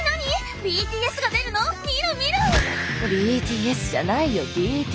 ＢＴＳじゃないよ。